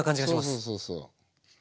そうそうそうそう。